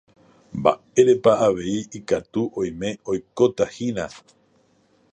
mba'érepa avei ikatu oime oikotahína